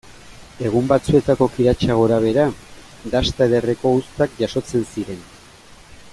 Egun batzuetako kiratsa gorabehera, dasta ederreko uztak jasotzen ziren.